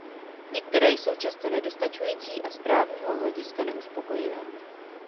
Některé jsou často nedostačující a z právního hlediska neuspokojivé.